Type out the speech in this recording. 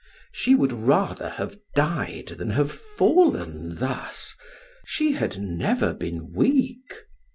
She would rather have died than have fallen thus; she had never been weak.